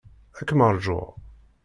Ad kem-arguɣ.